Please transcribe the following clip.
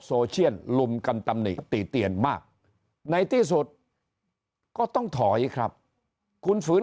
โซเชียนลุมกันตำหนิติเตียนมากในที่สุดก็ต้องถอยครับคุณฝืน